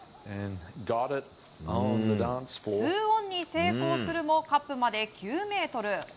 ２オンに成功するもカップまで９ｍ。